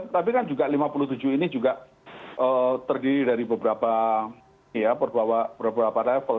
tapi kan juga lima puluh tujuh ini juga terdiri dari beberapa level